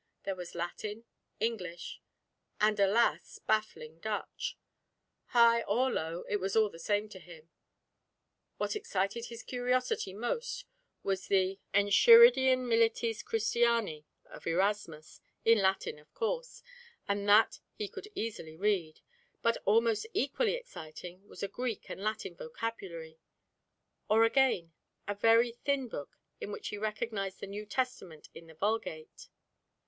There was Latin, English, and, alas! baffling Dutch. High or Low it was all the same to him. What excited his curiosity most was the Enchiridion Militis Christiani of Erasmus—in Latin of course, and that he could easily read—but almost equally exciting was a Greek and Latin vocabulary; or again, a very thin book in which he recognised the New Testament in the Vulgate.